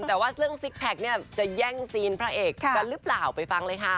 แต่ว่าเรื่องซิกแพคเนี่ยจะแย่งซีนพระเอกกันหรือเปล่าไปฟังเลยค่ะ